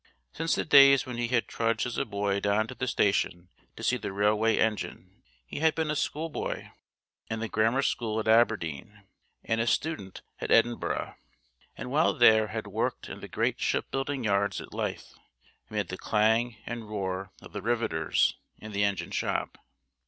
Since the days when he had trudged as a boy down to the station to see the railway engine he had been a schoolboy in the Grammar School at Aberdeen, and a student in Edinburgh, and while there had worked in the great shipbuilding yards at Leith amid the clang and roar of the rivetters and the engine shop.